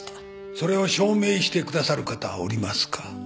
それを証明してくださる方はおりますか？